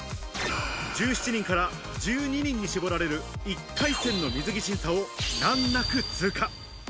１７人から１２人に絞られる１回戦の水着審査を難なく通過。